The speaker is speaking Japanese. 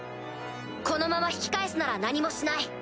このまま引き返すなら何もしない。